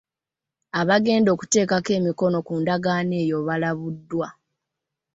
Abagenda okuteekako emikono ku ndagaano eyo balabuddwa.